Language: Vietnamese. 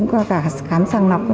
qua cả khám sàng lọc